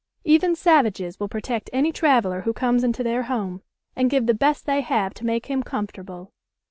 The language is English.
Even savages will protect any traveler who comes into their home, and give the best they have to make him comfortable."